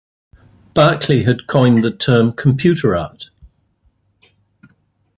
Berkeley had coined the term Computer Art.